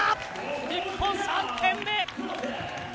日本、３点目！